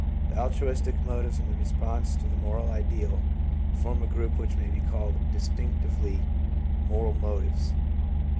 The altruistic motives and the response to a moral ideal form a group which may be called dis tinctively moral motives.